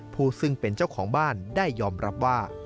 ผู้ซึ่งเป็นเจ้าของบ้านได้ยอมรับว่า